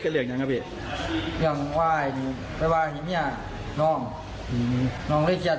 ลูกหน้าไปงีครับเอาใจดีตั้งสำหรับท่าน